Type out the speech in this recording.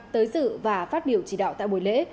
tới dự và phát biểu chỉ đạo tại buổi lễ